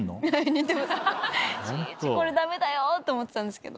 これダメだよと思ってたんですけど。